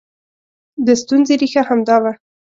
د ستونزې ریښه همدا وه